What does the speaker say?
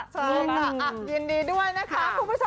ใช่ค่ะอ่ะยินดีด้วยนะคะ